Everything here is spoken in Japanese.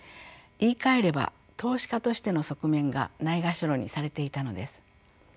言いかえれば投資家としての側面がないがしろにされていたのです。